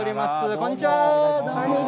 こんにちは。